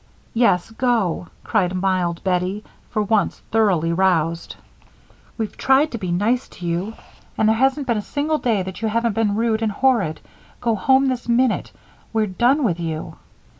"Yes, go," cried mild Bettie, for once thoroughly roused. "We've tried to be nice to you and there hasn't been a single day that you haven't been rude and horrid. Go home this minute. We're done with you."